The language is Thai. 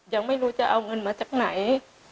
ยังไม่รู้จะเอาเงินมาจากไหน